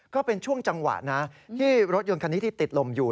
ก็เป็นช่วงจังหวะนะที่รถยนต์คันนี้ที่ติดลมอยู่